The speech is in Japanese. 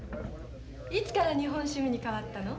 いつから日本趣味に変わったの？